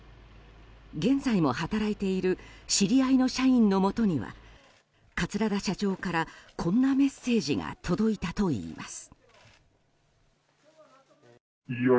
現在も働いている知り合いの社員のもとには桂田社長からこんなメッセージが届いたといいます。